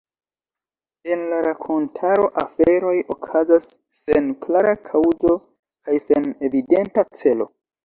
En la rakontaro aferoj okazas sen klara kaŭzo kaj sen evidenta celo.